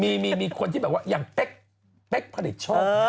มีมีมีคนที่แบบว่าอย่างเป๊กเป๊กผลิตโชค